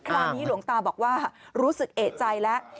คราวนี้หลวงตาบอกว่ารู้สึกเอกใจแล้ว